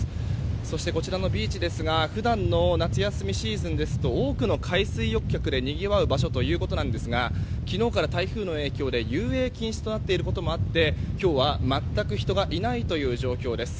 そして、こちらのビーチですが普段の夏休みシーズンですと多くの海水浴客でにぎわう場所ということですが昨日から台風の影響で遊泳禁止となっていることもあって今日は全く人がいないという状況です。